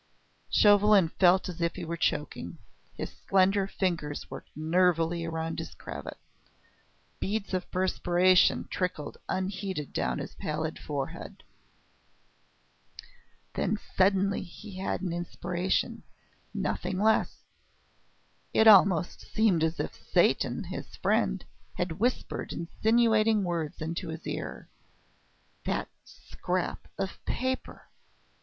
Chauvelin felt as if he were choking; his slender fingers worked nervily around his cravat; beads of perspiration trickled unheeded down his pallid forehead. Then suddenly he had an inspiration nothing less! It almost seemed as if Satan, his friend, had whispered insinuating words into his ear. That scrap of paper!